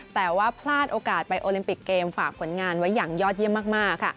แต่ว่าพลาดโอกาสไปโอลิมปิกเกมฝากผลงานไว้อย่างยอดเยี่ยมมากค่ะ